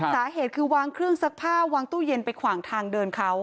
สาเหตุคือวางเครื่องซักผ้าวางตู้เย็นไปขวางทางเดินเขา